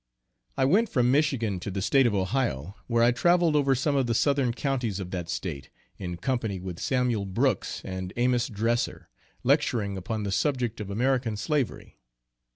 I went from Michigan to the State of Ohio, where I traveled over some of the Southern counties of that State, in company with Samuel Brooks, and Amos Dresser, lecturing upon the subject of American Slavery.